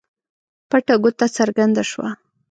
پټه ګوته څرګنده شوه.